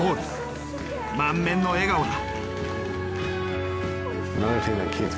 満面の笑顔だ。